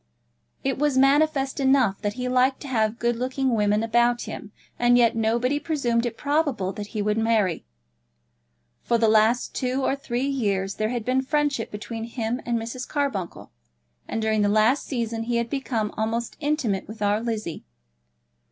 It was manifest enough that he liked to have good looking women about him, and yet nobody presumed it probable that he would marry. For the last two or three years there had been friendship between him and Mrs. Carbuncle; and during the last season he had become almost intimate with our Lizzie.